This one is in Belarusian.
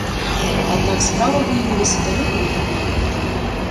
Аднак справа выявілася далёка не такой хуткай.